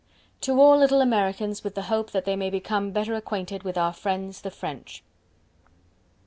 To All Little Americans With The Hope That They May Become Better Acquainted With Our Friends, The French.